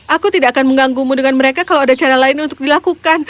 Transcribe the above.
aku tidak akan mengganggumu dengan mereka kalau ada cara lain untuk dilakukan